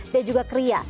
dan juga kria